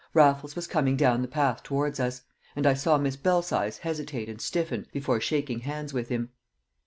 Raffles was coming down the path towards us. And I saw Miss Belsize hesitate and stiffen before shaking hands with him.